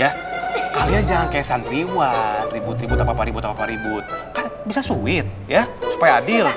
ya kalian jangan kaya santriwan ribut ribut apa apa ribut ribut kan bisa swit ya supaya adil